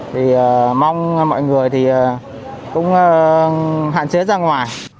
thì mong mọi người thì cũng hạn chế ra ngoài